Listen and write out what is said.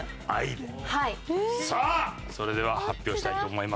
さあそれでは発表したいと思います。